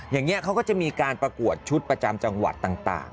อย่างนี้เขาก็จะมีการประกวดชุดประจำจังหวัดต่าง